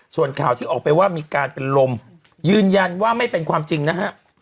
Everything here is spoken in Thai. ส่วนข่าวที่ออกไปว่ามีการเป็นลมยืนยันว่าไม่เป็นความจริงนะฮะ